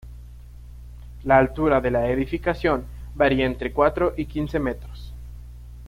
La altura de la edificación varía entre cuatro y quince metros.